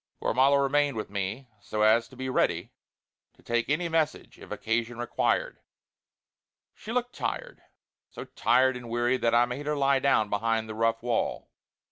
Gormala remained with me so as to be ready to take any message if occasion required. She looked tired, so tired and weary that I made her lie down behind the rough wall.